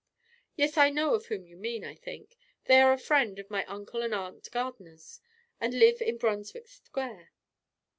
"Yes, I know of whom you mean, I think; they are friend of my Uncle and Aunt Gardiner's, and live in Brunswick Square."